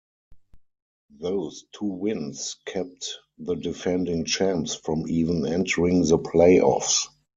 Those two wins kept the defending champs from even entering the playoffs.